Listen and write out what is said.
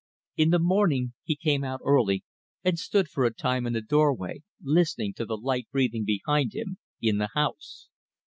In the morning he came out early, and stood for a time in the doorway, listening to the light breathing behind him in the house.